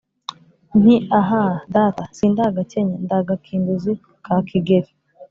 Nti: aha data si ndi agakenya, ndi agakinduzi ka Kigeli,